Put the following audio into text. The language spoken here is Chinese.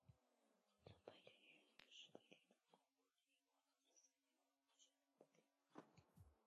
于是腓特烈尝试鼓励俄罗斯向衰弱而无影响力的波兰扩张来代替向奥斯曼帝国的扩张。